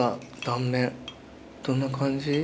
断面どんな感じ？